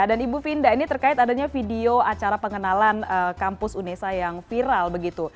dan ibu finda ini terkait adanya video acara pengenalan kampus unesa yang viral begitu